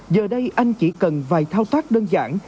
giờ đây anh chỉ cần vài thao tác đơn giản